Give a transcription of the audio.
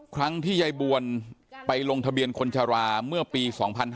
ครั้งที่ยายบวลไปลงทะเบียนคนชะลาเมื่อปี๒๕๕๙